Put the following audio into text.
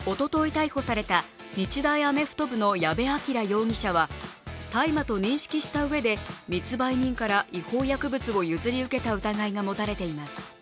逮捕された日大アメフト部の矢部鑑羅容疑者は大麻を認識したうえで密売人から違法薬物を譲り受けた疑いが持たれています。